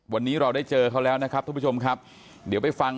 วันนี้เราได้เจอเขาแล้วนะครับทุกผู้ชมครับเดี๋ยวไปฟัง